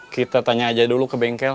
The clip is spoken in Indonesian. kita tanya aja dulu ke bengkel